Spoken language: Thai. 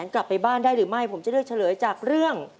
กลับไปบ้านได้หรือไม่ผมจะเลือกเฉลยจากเรื่อง